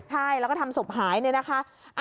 ใช่แล้วก็ทำสมหายนะคะ